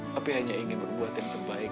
tapi hanya ingin berbuat yang terbaik